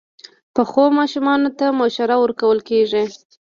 پخو ماشومانو ته مشوره ورکول کېږي